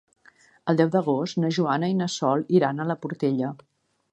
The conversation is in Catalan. El deu d'agost na Joana i na Sol iran a la Portella.